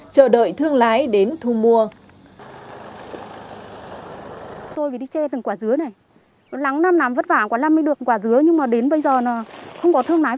chờ đợi thương lái đến thu mua